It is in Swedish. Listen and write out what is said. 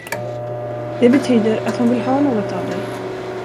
Det betyder att hon vill ha något av dig.